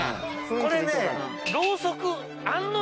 これね。